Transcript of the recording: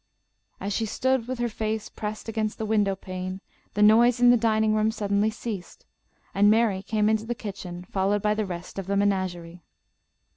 As she stood with her face pressed against the window pane, the noise in the dining room suddenly ceased, and Mary came into the kitchen, followed by the rest of the menagerie.